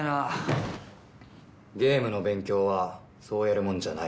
ゲームの勉強はそうやるもんじゃない。